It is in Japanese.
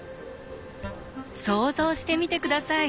想像してみて下さい。